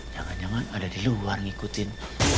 jangan jangan ada di luar ngikutin